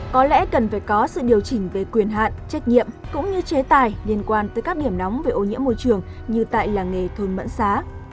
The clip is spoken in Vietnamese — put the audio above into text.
có lẽ cần phải có sự điều chỉnh về quyền hạn trách nhiệm cũng như chế tài liên quan tới các điểm nóng về ô nhiễm môi trường như tại làng nghề thôn mẫn xá